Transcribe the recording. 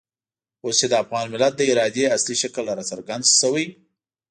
اوس چې د افغان ملت د ارادې اصلي شکل را څرګند شوی.